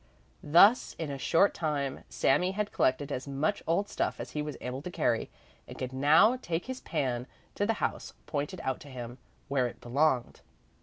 Thus in a short time Sami had collected as much old stuff as he was able to carry, and could now take his pan to the house pointed out to him, where it belonged.